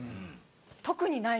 特にない。